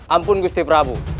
ampun gusti prabu